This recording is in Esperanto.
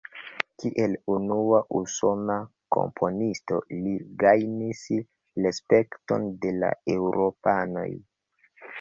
Kiel unua usona komponisto li gajnis respekton de la eŭropanoj.